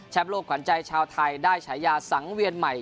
โลกขวัญใจชาวไทยได้ฉายาสังเวียนใหม่